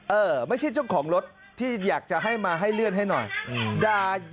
เออไม่ใช่เจ้าของรถที่อยากจะให้มาให้เลื่อนให้หน่อย